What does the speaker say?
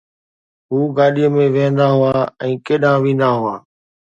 هو گاڏيءَ ۾ ويهندا هئا ۽ ڪيڏانهن ويندا هئا.